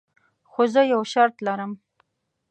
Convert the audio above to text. خو زه یو شرط لرم.